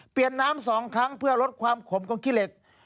น้ำ๒ครั้งเพื่อลดความขมของขี้เหล็ก